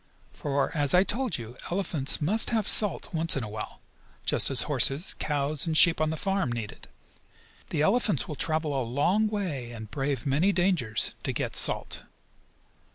For, as I told you, elephants must have salt once in a while, just as horses, cows and sheep on the farm need it. The elephants will travel a long way, and brave many dangers, to get salt.